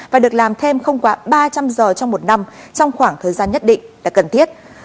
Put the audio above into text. và được làm thêm không quá ba trăm linh giờ trong một năm trong khoảng thời gian nhất định